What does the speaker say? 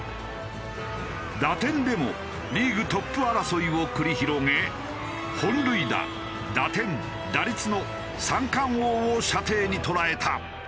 打点でもリーグトップ争いを繰り広げ本塁打打点打率の三冠王を射程に捉えた。